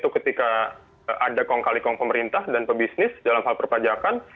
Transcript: ketika ada kong kali kong pemerintah dan pebisnis dalam hal perpajakan